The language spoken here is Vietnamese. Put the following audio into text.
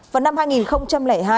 vào năm hai nghìn hai